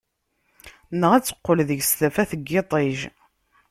Neɣ ad teqqel deg-s tafat n yiṭij.